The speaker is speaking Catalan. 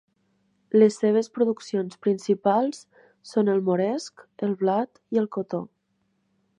Les seves produccions principals són el moresc, el blat i el cotó.